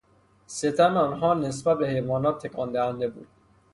ستم آنها نسبت به حیوانات تکان دهنده بود.